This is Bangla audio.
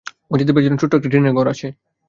মসজিদের পিছনে-ছোট্ট একটা টিনের ঘর আছে।